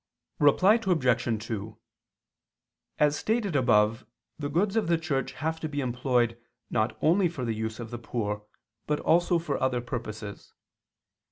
Reply Obj. 2: As stated above the goods of the Church have to be employed not only for the use of the poor, but also for other purposes.